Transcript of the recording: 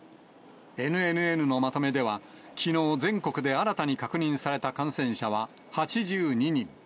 ＮＮＮのまとめでは、きのう、全国で新たに確認された感染者は８２人。